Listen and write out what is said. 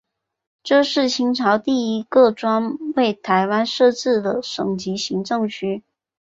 这是清朝第一个专为台湾设置的省级行政区。